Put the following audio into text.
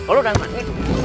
oh lo dapet mah ini